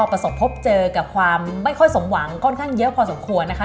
ประสบพบเจอกับความไม่ค่อยสมหวังค่อนข้างเยอะพอสมควรนะคะ